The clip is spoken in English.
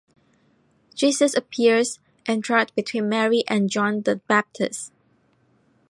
Jesus appears enthroned between Mary and John the Baptist.